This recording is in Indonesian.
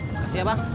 makasih ya bang